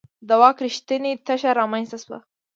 د واک رښتینې تشه رامنځته شوه.